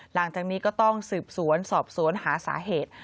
หลังจากนี้ก็ต้องสืบสวนสอบสวนหาสาเหตุ